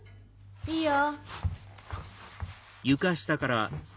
いいよ。